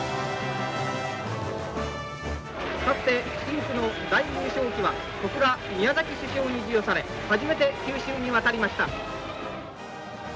深紅の大優勝旗は小倉宮崎主将に授与され初めて九州に渡りました。